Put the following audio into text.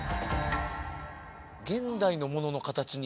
現代のもののカタチに？